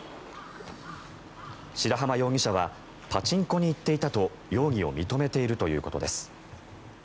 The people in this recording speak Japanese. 白濱容疑者はパチンコに行っていたと容疑を認めているということです。